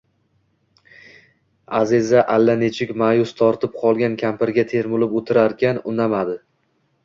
Аziza allanechuk maʼyus tortib qolgan kampirga termulib oʼtirarkan, unamadi.